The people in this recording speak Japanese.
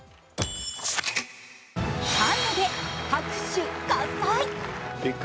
カンヌで拍手喝采。